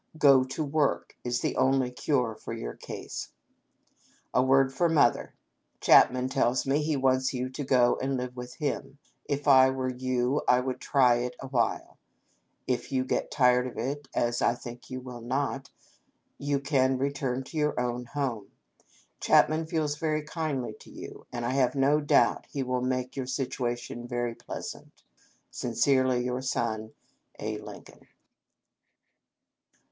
Go to work is the only cure for your case. " A word for Mother ; Chapman tells me he wants you to go and live with him. If I were you I would try it awhile. If you get tired of it (as I think you will not) you can return to your own home. Chapman feels very kindly to you ; and I have no doubt he will make your situation very pleasant. " Sincerely your son, "A. Lincoln."